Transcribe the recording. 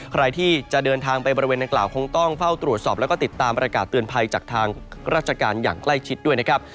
ใครที่จะเดินทางไปบริเวณนางกล่าวคงต้องเฝ้าตรวจสอบแล้วก็ติดตามประกาศเตือนภัยจากทางราชการอย่างใกล้ชิดด้วยนะครับ